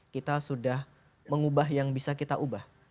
kita sudah mengubah yang bisa kita ubah